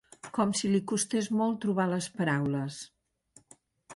Com si li costés molt trobar les paraules.